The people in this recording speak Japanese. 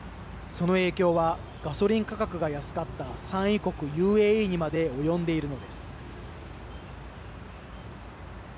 その影響はガソリン価格が安かった産油国ＵＡＥにまで及んでいるのです。